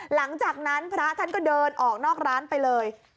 หลังจากนั้นพระท่านก็เดินออกนอกร้านไปเลย